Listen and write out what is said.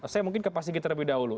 saya mungkin ke pak sigit lebih dahulu